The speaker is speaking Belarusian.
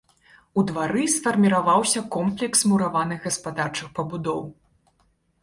У двары сфарміраваўся комплекс мураваных гаспадарчых пабудоў.